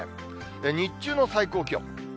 日中の最高気温。